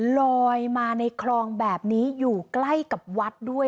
ลอยมาในคลองแบบนี้อยู่ใกล้กับวัดด้วย